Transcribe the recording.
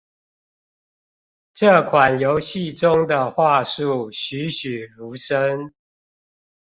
這款遊戲中的樺樹栩詡如生